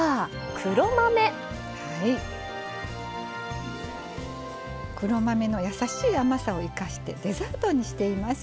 黒豆のやさしい甘さを生かしてデザートにしています。